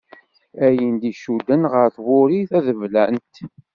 Ayen d-icudden γer twuri taḍeblant.